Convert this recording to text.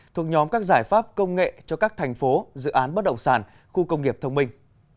thuộc nhóm các giải pháp công nghệ cho các thành phố dự án bất động sản khu công nghiệp thông minh